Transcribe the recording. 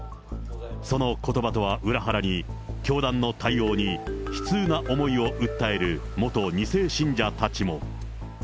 そのことばとは裏腹に教団の対応に悲痛な思いを訴える元２世信者たちも。